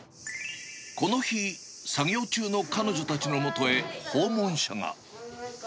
この日、作業中の彼女たちのもとへ訪問者が。